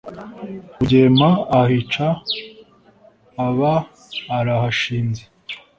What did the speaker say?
rugema ahica aba arahashinze